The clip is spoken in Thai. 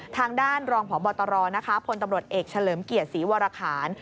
ทางด้านรองพบตรพลตำรวจเอกเฉลิมเกียรติศรีวรคาร